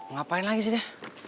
ngapain lagi sih dia